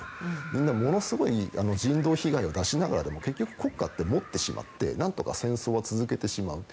みんな、ものすごい人道被害を出しながらでも国家って持ってしまって何とか戦争は続けてしまう。